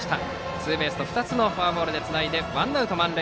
ツーベースと２つのフォアボールでつないでワンアウト満塁。